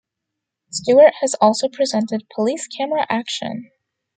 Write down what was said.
Stewart has also presented Police Camera Action!